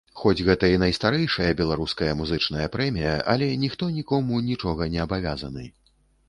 Хоць гэта і найстарэйшая беларуская музычная прэмія, але ніхто нікому нічога не абавязаны.